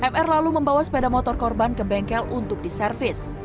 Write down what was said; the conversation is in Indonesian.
mr lalu membawa sepeda motor korban ke bengkel untuk diservis